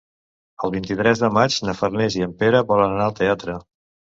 El vint-i-tres de maig na Farners i en Pere volen anar al teatre.